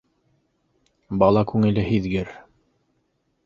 Бала күңеле һиҙгер.